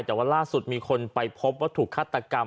แต่ว่าล่าสุดมีคนไปพบว่าถูกฆาตกรรม